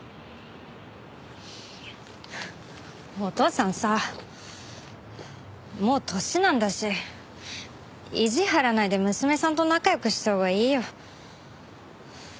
お父さんさもう年なんだし意地張らないで娘さんと仲良くしたほうがいいよ。